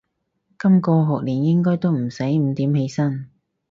今個學年應該都唔使五點起身